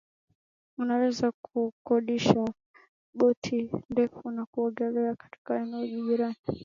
Unaweza kukodisha boti ndefu na kuogelea katika eneo jirani